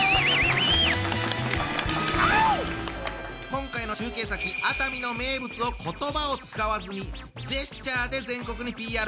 今回の中継先熱海の名物を言葉を使わずにジェスチャーで全国にＰＲしてもらいます。